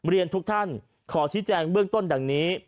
เรียนทุกท่านขอชี้แจงเบื้องต้นดังนี้